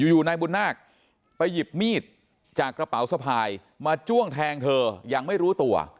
นายบุญนาคไปหยิบมีดจากกระเป๋าสะพายมาจ้วงแทงเธอยังไม่รู้ตัว